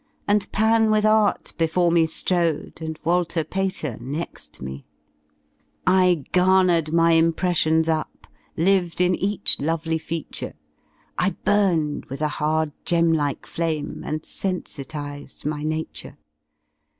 And Pan with Art before me Hrode, And Walter Pater next 7ne, 91 / garnered my ^^impresstons^'* upy Lived in each lovtly feature, "/ hum ed with a hard gemlike flame'''' And sensitized my nature.